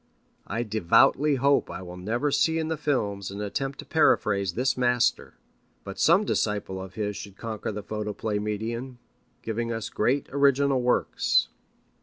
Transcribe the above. I devoutly hope I will never see in the films an attempt to paraphrase this master. But some disciple of his should conquer the photoplay medium, giving us great original works.